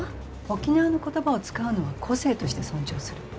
沖縄の言葉を使うのは個性として尊重する。